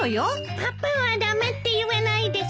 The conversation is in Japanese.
パパは駄目って言わないです。